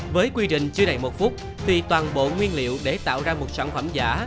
với quy trình chứa đầy một phút thì toàn bộ nguyên liệu để tạo ra một sản phẩm giả